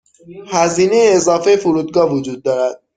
هزینه اضافه فرودگاه وجود دارد.